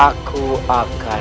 aku akan menerima kalian